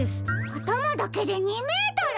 あたまだけで２メートル！？